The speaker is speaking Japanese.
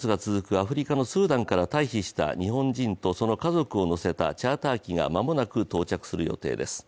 アフリカのスーダンから退避した日本人とその家族を乗せたチャーター機が間もなく到着する予定です。